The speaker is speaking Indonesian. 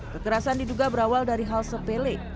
kekerasan diduga berawal dari hal sepele